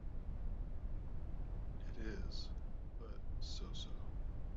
It is but so-so